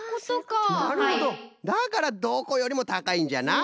だからどこよりもたかいんじゃな。